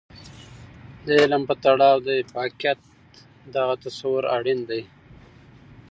د علم په تړاو د افاقيت دغه تصور اړين دی.